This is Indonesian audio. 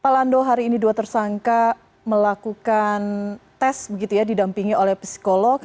pak lando hari ini dua tersangka melakukan tes begitu ya didampingi oleh psikolog